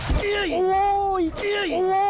โอ้โฮคุณสมครับโอ้โฮ